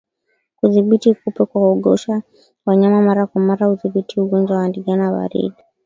Kudhibiti kupe kwa kuogesha wanyama mara kwa mara hudhibiti ugonjwa wa ndigana baridi